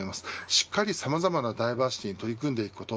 しっかりさまざまなダイバーシティに取り組んでいくこと。